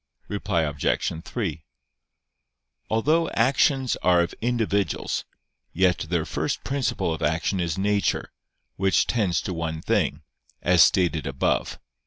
Reply Obj. 3: Although actions are of individuals, yet their first principle of action is nature, which tends to one thing, as stated above (A.